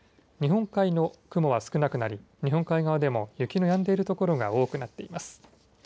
日本海の雲は少なくなり日本海側でも雪のやんでいる所が多くなっています。